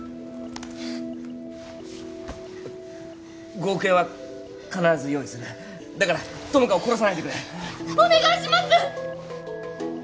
５億円は必ず用意するだから友果を殺さないでくれお願いします！